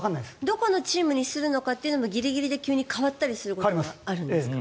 どこのチームにするのかというのもギリギリで急に変わることもあるんですか？